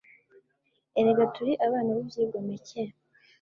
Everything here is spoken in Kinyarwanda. Erega turi abana b'ibyigomeke